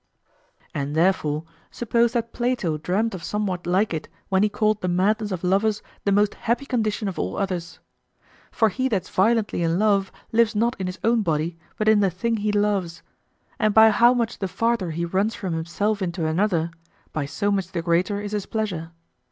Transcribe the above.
And therefore suppose that Plato dreamed of somewhat like it when he called the madness of lovers the most happy condition of all others. For he that's violently in love lives not in his own body but in the thing he loves; and by how much the farther he runs from himself into another, by so much the greater is his pleasure.